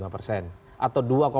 dua lima persen atau dua lima